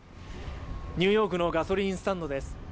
ニューヨークのガソリンスタンドです。